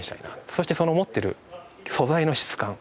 そして持ってる素材の質感。